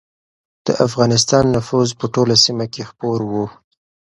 د افغانستان نفوذ په ټوله سیمه کې خپور و.